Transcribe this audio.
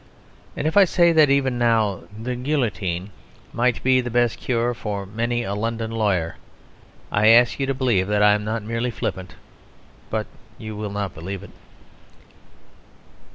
And if I say that even now the guillotine might be the best cure for many a London lawyer, I ask you to believe that I am not merely flippant. But you will not believe it.